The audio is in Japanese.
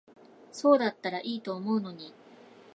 そうだったら良いと思うのに。